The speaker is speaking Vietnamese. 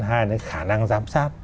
hai là cái khả năng giám sát